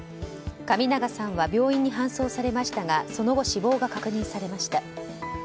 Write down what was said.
神長さんは病院に搬送されましたがその後、死亡が確認されました。